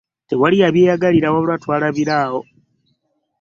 Tewali yabyeyagalira wabula twalabira awo.